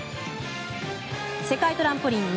世界トランポリン２